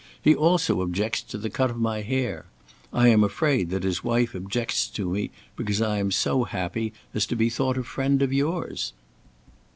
He also objects to the cut of my hair. I am afraid that his wife objects to me because I am so happy as to be thought a friend of yours."